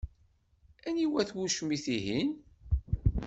Aniwa-t wucmit-ihin?